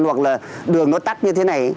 hoặc là đường nó tắt như thế này